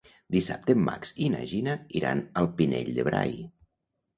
Dissabte en Max i na Gina iran al Pinell de Brai.